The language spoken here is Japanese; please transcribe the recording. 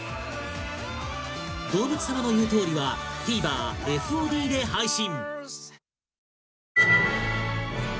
「動物さまの言うとおり」はＴＶｅｒＦＯＤで配信！